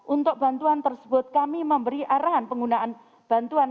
untuk bantuan tersebut kami memberi arahan penggunaan bantuan